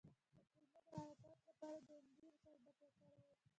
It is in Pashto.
د کولمو د حرکت لپاره د انجیر شربت وکاروئ